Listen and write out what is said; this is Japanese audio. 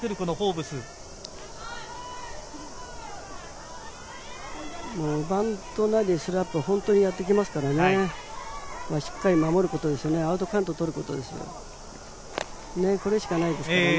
バントなりスラップは本当にやってきますからね、しっかり守ってアウトカウントを取ることですよね。